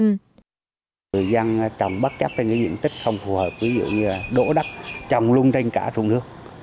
nhiều người dân trồng bất chấp cái cái diện tích không phù hợp ví dụ như là đỗ đắc trồng luôn trên cả vùng nước